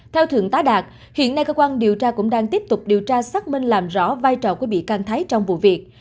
theo thượng tá đạt hiện nay cơ quan điều tra cũng đang tiếp tục điều tra xác minh làm rõ vai trò của bị can thái trong vụ việc